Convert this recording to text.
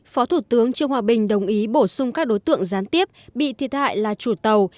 phó thủ tướng trương hòa bình đồng ý bổ sung các đối tượng gián tiếp bị thiệt hại là chủ tàu